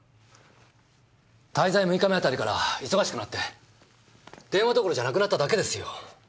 滞在６日目あたりから忙しくなって電話どころじゃなくなっただけですよ。